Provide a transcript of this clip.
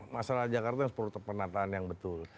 masalah jakarta harus penataan yang betul